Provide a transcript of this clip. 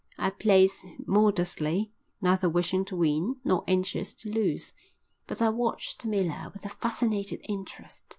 I played modestly, neither wishing to win nor anxious to lose, but I watched Miller with a fascinated interest.